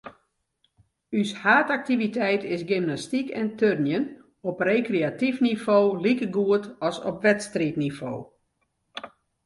Us haadaktiviteit is gymnastyk en turnjen, op rekreatyf nivo likegoed as op wedstriidnivo.